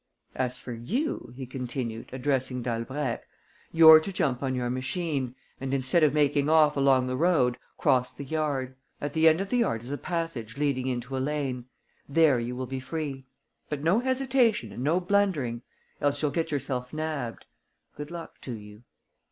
As for you," he continued, addressing Dalbrèque, "you're to jump on your machine and, instead of making off along the road, cross the yard. At the end of the yard is a passage leading into a lane. There you will be free. But no hesitation and no blundering ... else you'll get yourself nabbed. Good luck to you."